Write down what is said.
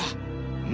うん？